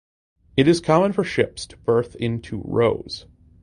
It is common for ships to berth in two rows.